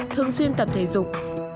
thường xuyên tập thể dục